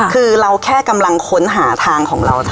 คือเราแค่กำลังค้นหาทางของเรา